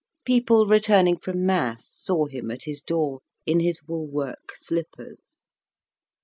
People returning from mass saw him at his door in his wool work slippers.